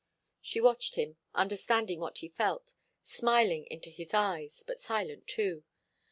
She watched him, understanding what he felt, smiling into his eyes, but silent, too.